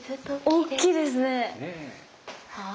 大きいですね。